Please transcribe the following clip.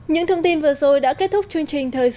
những thông tin vừa rồi đã kết thúc chương trình